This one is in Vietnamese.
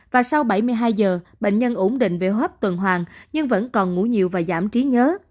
và sau bảy mươi hai giờ bệnh nhân ổn định về hấp tuần hoàn nhưng vẫn còn ngủ nhiều và giảm trí nhớ